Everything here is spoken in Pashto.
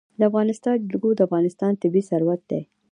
د افغانستان جلکو د افغانستان طبعي ثروت دی.